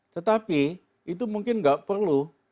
tetapi itu mungkin nggak perlu